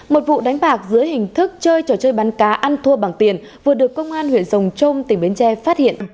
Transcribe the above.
một vụ đánh bạc giữa hình thức chơi trò chơi bán cá ăn thua bằng tiền vừa được công an huyện sồng trông tỉnh bến tre phát hiện